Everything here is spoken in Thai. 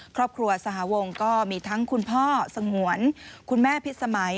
ครอบครัวสหวงก็มีทั้งคุณพ่อสงวนคุณแม่พิษสมัย